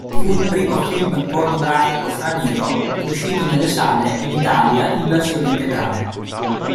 Fu il primo film pornografico straniero uscito nelle sale in Italia in versione integrale.